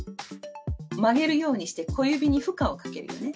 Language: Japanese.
曲げるようにして、小指に負荷をかけるのね。